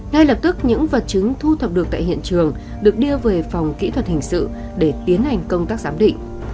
ngay lập tức những vật chứng thu thập được tại hiện trường được đưa về phòng kỹ thuật hình sự để tiến hành công tác giám định